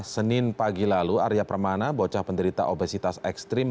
senin pagi lalu arya permana bocah penderita obesitas ekstrim